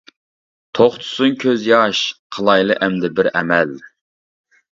توختىسۇن كۆز ياش، قىلايلى ئەمدى بىر ئەمەل؟ !